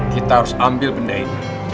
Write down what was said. kita harus ambil benda ini